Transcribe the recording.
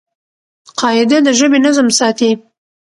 قاعده د ژبي نظم ساتي.